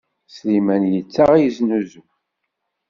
Sliman yettaɣ yeznuzu.